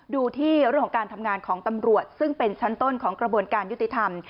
ดูที่เรื่องของการทำงานของตำรวจซึ่งเป็นชั้นต้นของกระบวนการยุติธรรม